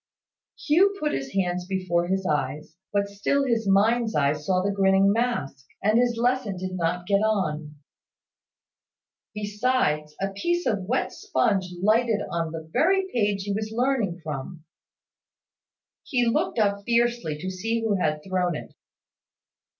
Hugh put his hands before his eyes; but still his mind's eye saw the grinning mask, and his lesson did not get on. Besides, a piece of wet sponge lighted on the very page he was learning from. He looked up fiercely, to see who had thrown it.